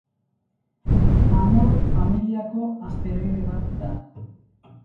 Amor familiako asteroide bat da.